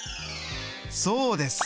そうです